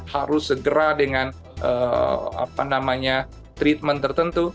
harus segera dengan treatment tertentu